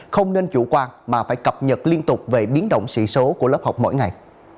không nên chủ quan mà phải cập nhật liên tục về biến động sĩ số của lớp học mỗi ngày